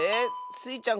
スイちゃん